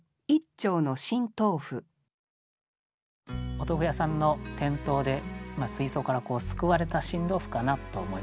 お豆腐屋さんの店頭で水槽からすくわれた新豆腐かなと思いましたね。